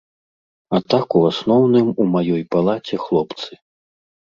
А так у асноўным у маёй палаце хлопцы.